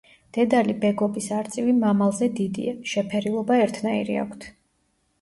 დედალი ბეგობის არწივი მამალზე დიდია; შეფერილობა ერთნაირი აქვთ.